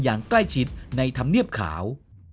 อย่างใกล้ชิดในธรรมเนียบขาว